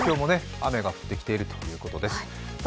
東京も雨が降っているということです。